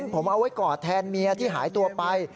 ผมเอาไว้กอดแทนเมียที่หายตัวไป